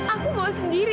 aku mau sendiri